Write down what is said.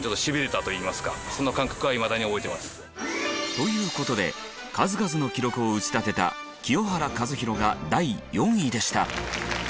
という事で数々の記録を打ち立てた清原和博が第４位でした。